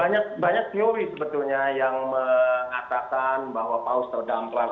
banyak teori sebetulnya yang mengatakan bahwa paus terdampar